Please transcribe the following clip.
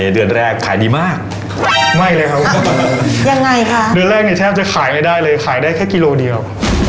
เดือนแรกเนี้ยแทบจะขายไม่ได้เลยขายได้แค่กิโลเดียว